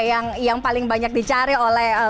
yang paling banyak dicari oleh